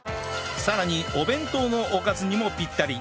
さらにお弁当のおかずにもぴったり